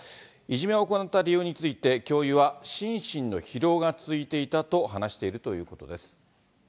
いじめを行った理由について、教諭は、心身の疲労が続いていたと話しているということです。